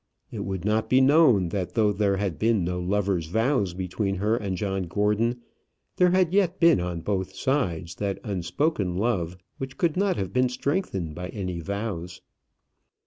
It would not be known that though there had been no lover's vows between her and John Gordon, there had yet been on both sides that unspoken love which could not have been strengthened by any vows.